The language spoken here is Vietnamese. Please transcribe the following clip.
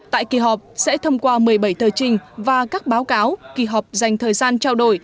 tại kỳ họp sẽ thông qua một mươi bảy thờ trình và các báo cáo kỳ họp dành thời gian trao đổi